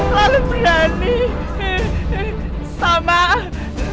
kok begitu sih bang kanto